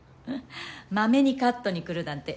まめにカットに来るなんて